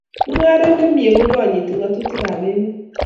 Mungaret ne mie kokonyiti ngatutikab emet